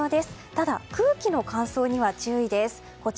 ただ、空気の乾燥には注意です。